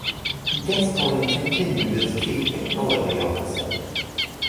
Gascoyne continued as Chief Technology Officer.